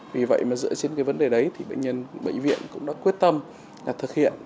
vì vậy dựa trên vấn đề đấy bệnh nhân bệnh viện cũng đã quyết tâm thực hiện